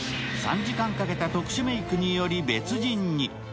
３時間かけた特殊メイクにより別人に。